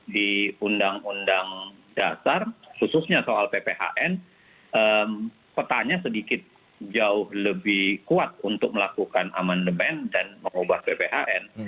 di undang undang dasar khususnya soal pphn petanya sedikit jauh lebih kuat untuk melakukan amandemen dan mengubah pphn